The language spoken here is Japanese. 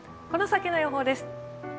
この先の予報です。